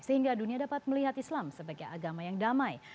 sehingga dunia dapat melihat islam sebagai agama yang damai